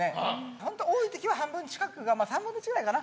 本当に多い時は半分近く３分の１ぐらいかな？